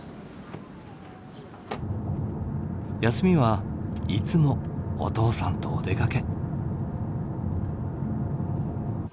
休みはいつもお父さんとお出かけ。